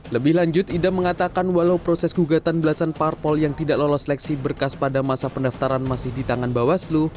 lebih lanjut ida mengatakan walau proses gugatan belasan parpol yang tidak lolos seleksi berkas pada masa pendaftaran masih di tangan bawaslu